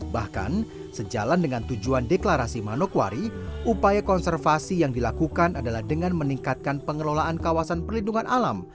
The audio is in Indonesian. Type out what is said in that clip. bahkan sejalan dengan tujuan deklarasi manokwari upaya konservasi yang dilakukan adalah dengan meningkatkan pengelolaan kawasan perlindungan alam